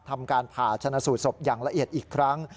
ทำการผ่าชนะสูตรศพอย่างละเอียดอีกครั้ง